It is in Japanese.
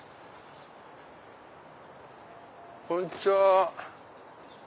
こんにちは。